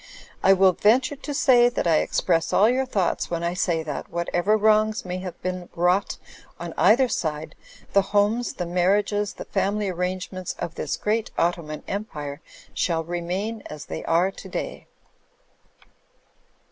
I will venture to say that I express all your thoughts, when I say that, whatever wrongs may have been vnrought on either side, the homes, the marriages, the family arrangements of this great Ottoman Empire, shall remain as they are to day."